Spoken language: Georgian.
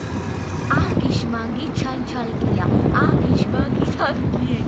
ანგიშ მანგი ჩანჩალაკია.ანგიშ მანგი თანგიენია